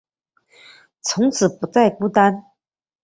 从此不再孤单